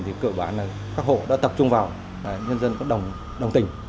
thì cơ bản là các hộ đã tập trung vào nhân dân có đồng tình